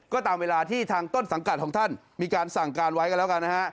ก็ตามเวลาที่ทางต้นสังกัดของท่านมีการสั่งการไว้กันแล้วกันนะฮะ